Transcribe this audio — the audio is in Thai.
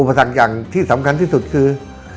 ปสรรคอย่างที่สำคัญที่สุดคือ